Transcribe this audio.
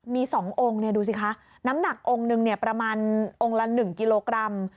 มี๒องค์ดูสิคะน้ำหนักองค์หนึ่งประมาณองค์ละ๑กิโลกรัม